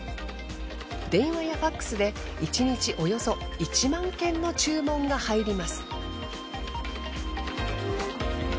電話やＦＡＸで一日およそ１万件の注文が入ります。